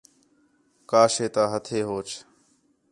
کا شے تا ہتھے ہوچ